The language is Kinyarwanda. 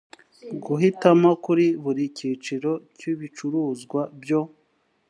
guhitamo kuri buri cyiciro cy ibicuruzwa byo